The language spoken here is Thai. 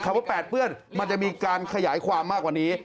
ว่าแปดเปื้อนมันจะมีการขยายความมากกว่านี้